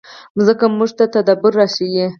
مځکه موږ ته تدبر راښيي.